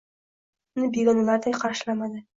uni begonalardek qarshilamadi.